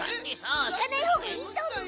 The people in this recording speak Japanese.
いかないほうがいいとおもう。